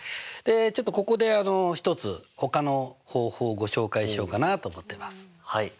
ちょっとここで一つほかの方法をご紹介しようかなと思ってます。